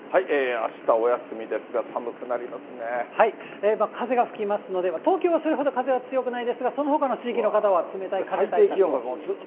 あしたお休みですが、風が吹きますので、東京はそれほど風は強くないんですが、そのほかの地域の方は冷たい風対策を。